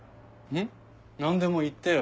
何でも言ってよ